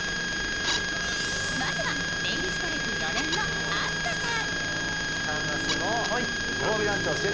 まずはネイリスト歴４年のあすかさん。